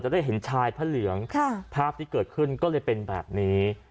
ได้เห็นชายพระเหลืองภาพที่เกิดขึ้นก็เลยเป็นแบบนี้